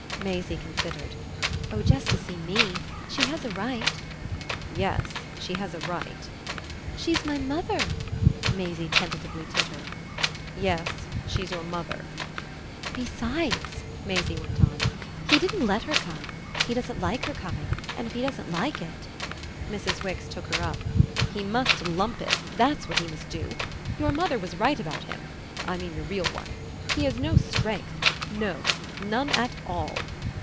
Maisie considered. "Oh just to see ME. She has a right." "Yes she has a right." "She's my mother!" Maisie tentatively tittered. "Yes she's your mother." "Besides," Maisie went on, "he didn't let her come. He doesn't like her coming, and if he doesn't like it " Mrs. Wix took her up. "He must lump it that's what he must do! Your mother was right about him I mean your real one. He has no strength. No none at all."